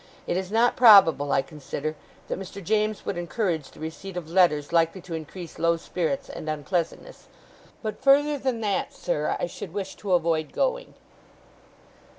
It is not probable, I consider, that Mr. James would encourage the receipt of letters likely to increase low spirits and unpleasantness; but further than that, sir, I should wish to avoid going.